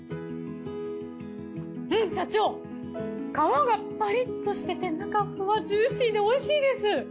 社長皮がパリッとしてて中フワッジューシーで美味しいです。